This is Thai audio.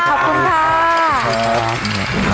ขอบคุณค่ะ